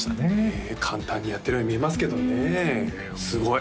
へえ簡単にやってるように見えますけどねすごい！